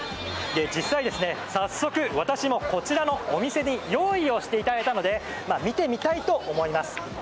実際、さっそく私もこちらのお店で用意をしていただいたので見てみたいと思います。